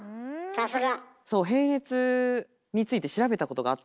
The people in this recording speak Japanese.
さすが。